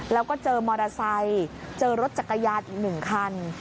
แล้วก็เจอมอเตอร์ไซค์เจอรถจักรยานอีก๑คัน